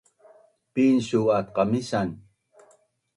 pin su at qamisan?